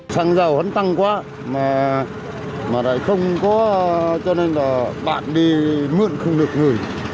xăng dầu hắn tăng quá mà lại không có cho nên là bạn đi mượn không được người